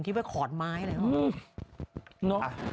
คิดว่าขอดไม้อะไรหรอ